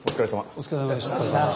お疲れさまでした。